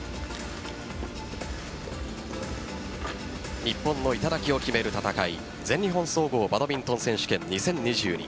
日本の頂を決める戦い全日本総合バドミントン選手権２０２２。